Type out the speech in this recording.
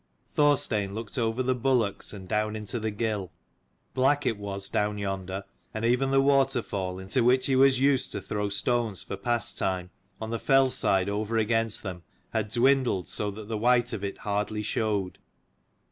Thorstein looked over the bulwarks and down into the gill. Black it was down yonder ; and even the waterfall, into which he was used to throw stones for pastime, on the fell side over against them, had dwindled so that the white of it hardly showed.